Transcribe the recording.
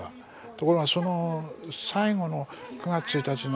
ところがその最後の９月１日の糒庫はね